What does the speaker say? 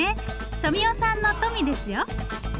富美男さんの「富」ですよ。